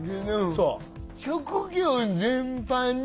そう。